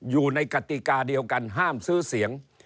อยู่ในกติกาเดียวกันห้ามซื้อเสียง